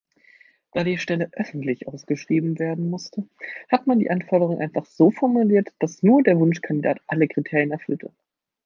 Da die Stelle öffentlich ausgeschrieben werden musste, hat man die Anforderungen einfach so formuliert, dass nur der Wunschkandidat alle Kriterien erfüllte.